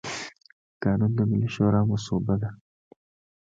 قانون د ملي شورا مصوبه ده.